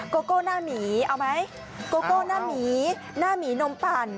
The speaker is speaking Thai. โกโก้หน้าหมีเอาไหมโกโก้หน้าหมีหน้าหมีนมปั่น